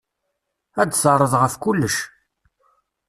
Ad d-terreḍ ɣef kullec.